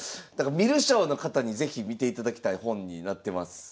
だから観る将の方に是非見ていただきたい本になってます。